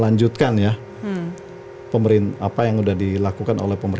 dana juga nama dalam perusahaan temen temen